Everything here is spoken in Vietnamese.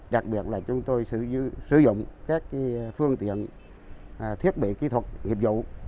đặc biệt là chúng tôi sử dụng các phương tiện thiết bị kỹ thuật nghiệp vụ